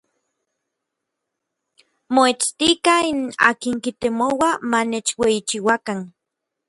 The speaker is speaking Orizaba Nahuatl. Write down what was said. Moetstikaj n akin kitemoua ma nechueyichiuakan.